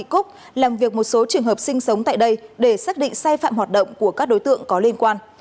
các trường hợp sinh sống tại đây để xác định sai phạm hoạt động của các đối tượng có liên quan